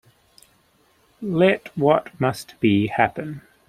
Let what must be, happen.